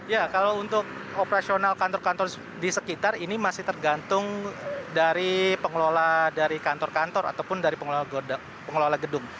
ya kalau untuk operasional kantor kantor di sekitar ini masih tergantung dari pengelola dari kantor kantor ataupun dari pengelola gedung